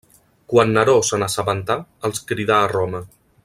Quan Neró se n'assabentà, els cridà a Roma.